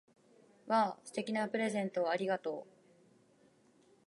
わぁ！素敵なプレゼントをありがとう！